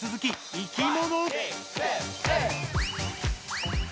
「いきもの」。